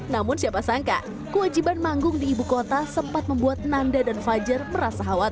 namun siapa sangka kewajiban manggung di ibu kota sempat membuat nanda dan fajar merasa khawatir